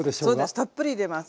たっぷり入れます。